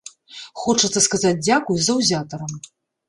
Хочацца сказаць дзякуй заўзятарам.